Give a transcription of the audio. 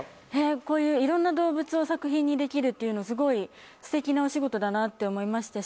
こういういろんな動物を作品にできるっていうのすごいステキなお仕事だなって思いましたし。